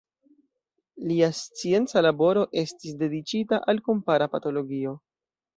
Lia scienca laboro estis dediĉita al kompara patologio.